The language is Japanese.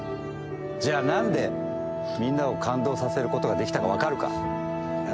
じゃあ、なんでみんなを感動させることができたか分かるか？